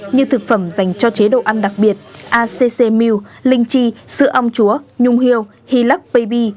như thực phẩm dành cho chế độ ăn đặc biệt acc mew linh chi sữa ông chúa nhung hiêu hilux baby